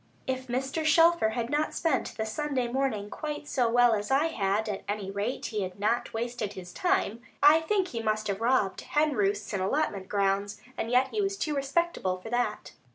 If Mr. Shelfer had not spent the Sunday morning quite so well as I had, at any rate he had not wasted his time. I think he must have robbed hen roosts and allotment grounds; and yet he was too respectable for that.